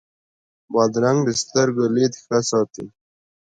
بادرنګ د سترګو لید ښه ساتي.